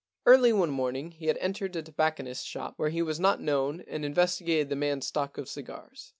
Early one morning he had entered a tobac conist's shop where he was not known and investigated the man's stock of cigars.